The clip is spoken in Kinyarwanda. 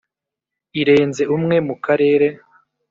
irenze umwe mu Karere